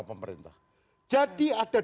pemerintah jadi ada